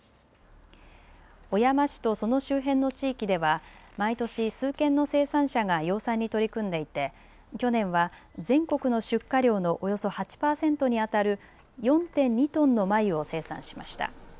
小山市とその周辺の地域では毎年数軒の生産者が養蚕に取り組んでいて去年は全国の出荷量のおよそ８％にあたる４．２トンの繭を生産しました。